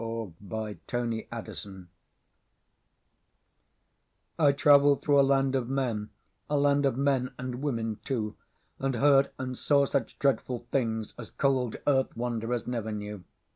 The Mental Traveller I TRAVELL'D thro' a land of men,A land of men and women too; And heard and saw such dreadful thingsAs cold earth wanderers never knew.